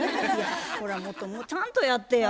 ほらもっとちゃんとやってや。